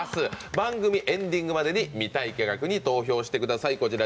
番組エンディングまでに見たい企画に投票してください。